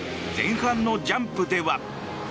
前半のジャンプでは。